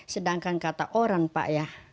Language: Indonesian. sedangkan kata orang pak ya